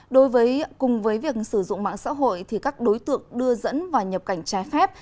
đối với cùng với việc sử dụng mạng xã hội thì các đối tượng đưa dẫn và nhập cảnh trái phép